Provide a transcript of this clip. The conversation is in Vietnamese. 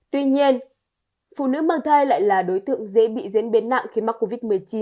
tuy nhiên phụ nữ mang thai lại là đối tượng dễ bị diễn biến nặng khi mắc covid một mươi chín